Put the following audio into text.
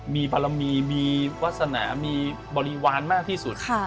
มีบารมีมีวาสนามีบริวารมากที่สุด